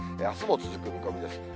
あすも続く見込みです。